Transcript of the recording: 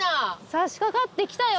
差しかかって来たよ！